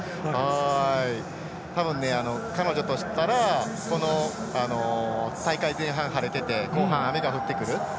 たぶん、彼女としたらこの大会前半晴れてて後半、雨が降ってくる。